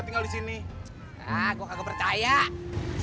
terima kasih bang ojak